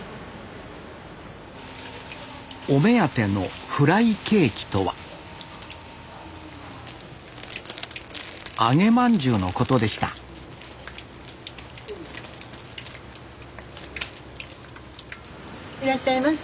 お目当てのフライケーキとは揚げまんじゅうのことでしたいらっしゃいませ。